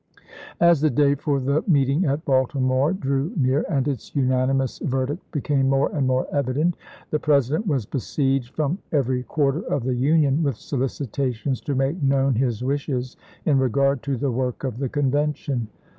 As the day for the meeting at Baltimore drew near, and its unanimous verdict became more and more evident, the President was besieged from every quarter of the Union with solicitations to make known his wishes in regard to the work of the Convention.